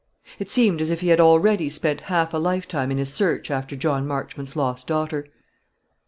It seemed as if he had already spent half a lifetime in his search after John Marchmont's lost daughter.